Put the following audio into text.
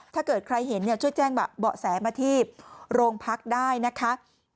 ถ้าเกิดใครเห็นช่วยแจ้งเบาะแสมาที่โรงพักได้นะคะ